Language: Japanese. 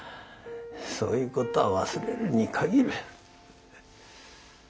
そういうことは忘れるに限る。